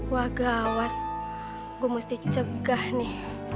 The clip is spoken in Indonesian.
wagah awan gua musti kegak nih